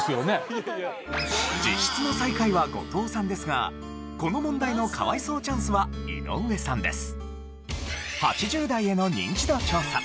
実質の最下位は後藤さんですがこの問題の可哀想チャンスは井上さんです。